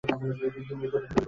এ সম্পর্কিত আরও ছবি দেখুন